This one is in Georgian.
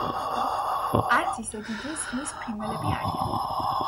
არც ისე დიდი, ზღვის ფრინველები არიან.